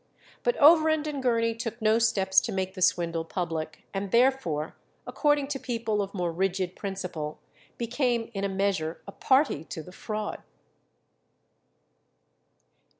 But Overend and Gurney took no steps to make the swindle public, and therefore, according to people of more rigid principle, became in a measure a party to the fraud.